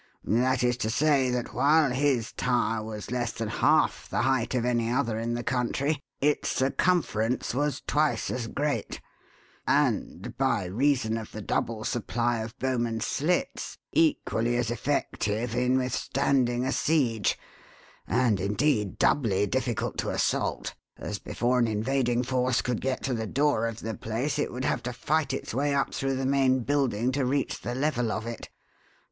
That is to say, that while his tower was less than half the height of any other in the country, its circumference was twice as great, and, by reason of the double supply of bowman's slits, equally as effective in withstanding a siege; and, indeed, doubly difficult to assault, as before an invading force could get to the door of the place it would have to fight its way up through the main building to reach the level of it.